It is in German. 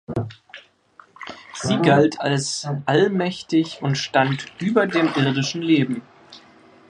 Sie galt als allmächtig und stand über dem irdischen Leben.